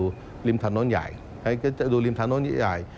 ริมถนนใหญ่ดูริมถนนใหญ่